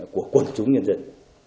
của quân chúng nhân dân